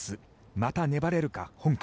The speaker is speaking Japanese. また粘れるか、香港。